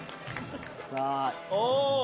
お。